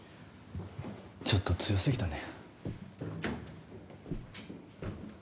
ちょっと強すぎたね。